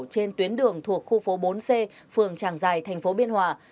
trên tuyến đường thuộc khu phố bốn c phường tràng giài thành phố biên hòa